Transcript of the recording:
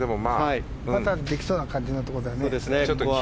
まだできそうな感じのところですね。